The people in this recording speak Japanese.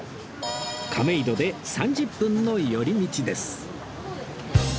亀戸で３０分の寄り道です